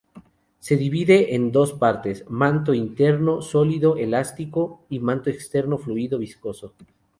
Se divide en dos partes: manto interno, sólido, elástico; y manto externo, fluido, viscoso.